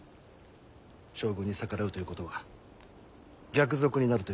将軍に逆らうということは逆賊になるということ。